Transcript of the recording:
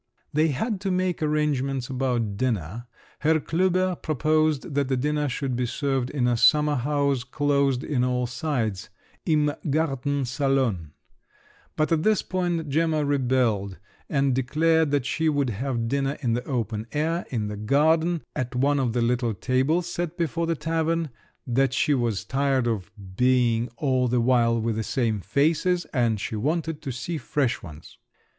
They had to make arrangements about dinner. Herr Klüber proposed that the dinner should be served in a summer house closed in on all sides—"im Gartensalon"; but at this point Gemma rebelled and declared that she would have dinner in the open air, in the garden, at one of the little tables set before the tavern; that she was tired of being all the while with the same faces, and she wanted to see fresh ones.